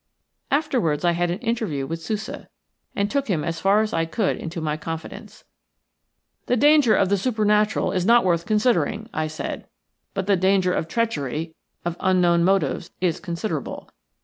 Afterwards I had an interview with Sousa, and took him as far as I could into my confidence. "The danger of the supernatural is not worth considering," I said, "but the danger of treachery, of unknown motives, is considerable.